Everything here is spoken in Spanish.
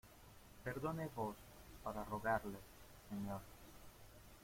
perdone vos, para rogarle , señor...